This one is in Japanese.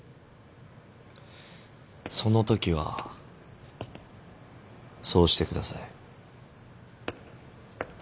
そのときはそうしてください。